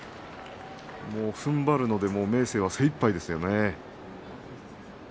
ふんばるので明生は精いっぱいですね。